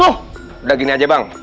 udah gini aja bang